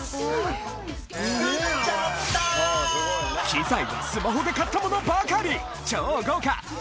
機材はスマホで買ったものばかり！